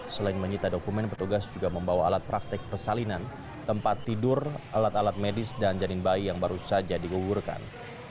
selain menyita dokumen petugas juga membawa alat praktek persalinan tempat tidur alat alat medis dan janin bayi yang baru saja digugurkan